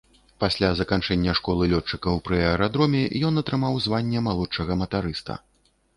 Пасля заканчэння школы лётчыкаў пры аэрадроме ён атрымаў званне малодшага матарыста.